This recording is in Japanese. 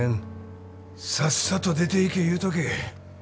さっさと出ていけ言うとけ。